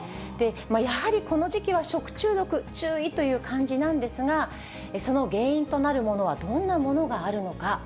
やはりこの時期は食中毒注意という感じなんですが、その原因となるものはどんなものがあるのか。